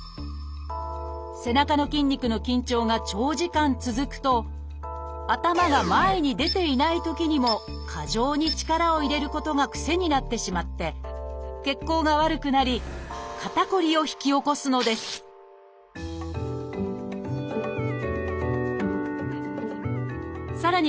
背中の筋肉の緊張が長時間続くと頭が前に出ていないときにも過剰に力を入れることが癖になってしまって血行が悪くなり肩こりを引き起こすのですさらに